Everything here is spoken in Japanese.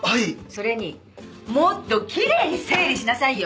それにもっときれいに整理しなさいよ！